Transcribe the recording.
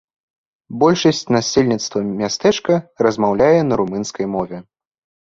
Большасць насельніцтва мястэчка размаўляе на румынскай мове.